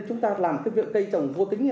chúng ta phải phối hợp với nhau